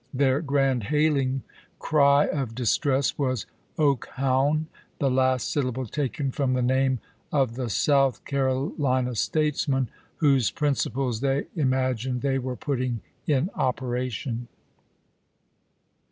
Their grand hailing cry of distress was "Oak houn," the last syllable taken from the name of the South Caro lina statesman whose principles they imagined they were putting in operation.